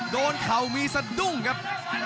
เข่ามีสะดุ้งครับ